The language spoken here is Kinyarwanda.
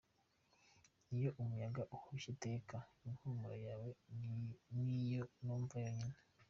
Iyo umuyaga uhushye iteka, impumuro yawe niyo numva yonyine.